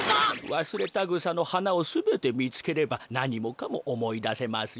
ワスレタグサのはなをすべてみつければなにもかもおもいだせますよ。